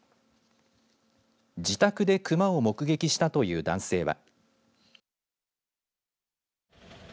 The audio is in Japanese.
自宅でクマを目撃したという男性は。